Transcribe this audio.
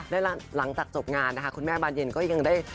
และหลังจากจบงานนะคะคุณแม่บานเย็นก็ยังได้